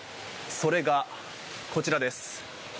それがこちらです。